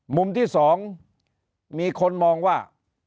มุมที่๒มีคนมองว่า